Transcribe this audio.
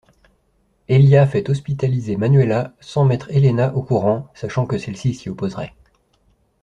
Elia fait hospitaliser Manuela sans mettre Helena au courant, sachant que celle-ci s'y opposerait.